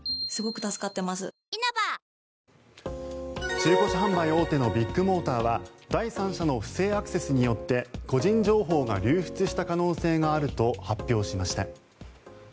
中古車販売大手のビッグモーターは第三者の不正アクセスによって個人情報が流出した可能性があると発表しました。